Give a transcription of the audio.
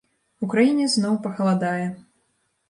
У краіне зноў пахаладае.